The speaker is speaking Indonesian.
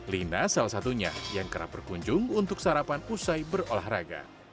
lina salah satunya yang kerap berkunjung untuk sarapan usai berolahraga